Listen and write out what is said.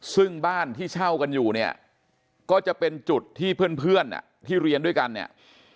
ซึ่งบ้านที่เช่ากันอยู่เนี่ยก็จะเป็นจุดที่เพื่อนที่เรียนด้วยกันเนี่ย